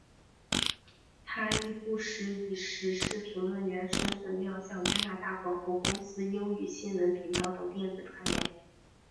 她亦不时以时事评论员身份亮相加拿大广播公司英语新闻频道等电子传媒。